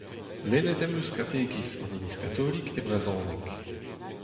Lennet em eus katekiz an iliz katolik e brezhoneg.